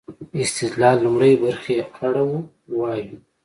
استدلال لومړۍ برخې اړه ووايو.